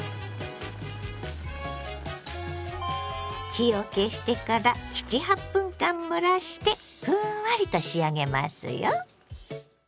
火を消してから７８分間蒸らしてふんわりと仕上げますよ。